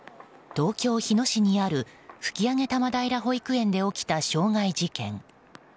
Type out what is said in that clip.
東京・日野市にある吹上多摩平保育園で起きた傷害事件。